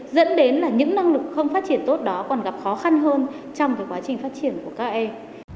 dẫn đến là những năng lực không phát triển tốt đó còn gặp khó khăn hơn trong quá trình phát triển của các em